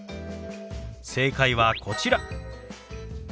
正解はこちら。